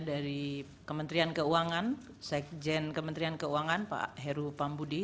dari kementerian keuangan sekjen kementerian keuangan pak heru pambudi